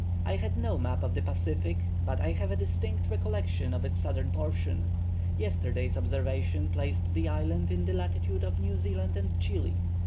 I have no map of the Pacific, but I have a distinct recollection of its southern portion. Yesterday's observation places the island in the latitude of New Zealand and Chili.